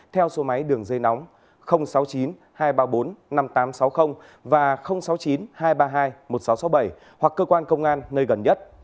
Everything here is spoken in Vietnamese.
theo số máy đường dây nóng sáu mươi chín hai trăm ba mươi bốn năm nghìn tám trăm sáu mươi và sáu mươi chín hai trăm ba mươi hai một nghìn sáu trăm sáu mươi bảy hoặc cơ quan công an nơi gần nhất